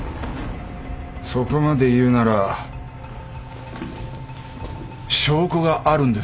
そこまで言うなら証拠があるんですよね？